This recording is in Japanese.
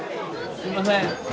すいません！